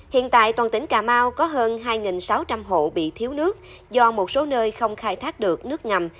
hiện tại toàn tỉnh cà mau có hơn hai sáu trăm linh hộ bị thiếu nước do một số nơi không khai thác được nước ngầm